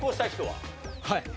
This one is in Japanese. はい。